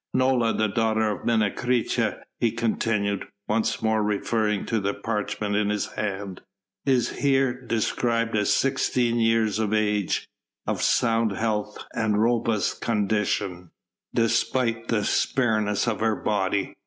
"Nola, the daughter of Menecreta," he continued, once more referring to the parchment in his hand, "is here described as sixteen years of age, of sound health and robust constitution, despite the spareness of her body.